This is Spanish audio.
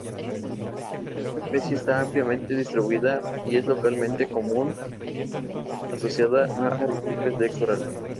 Esta especie está ampliamente distribuida y es localmente común, asociada a arrecifes de coral.